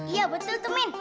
iya betul tumin